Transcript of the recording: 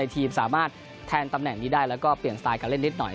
ทีมสามารถแทนตำแหน่งนี้ได้แล้วก็เปลี่ยนสไตล์การเล่นนิดหน่อย